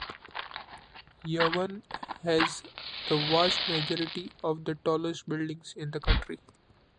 Yangon has the vast majority of the tallest buildings in the country.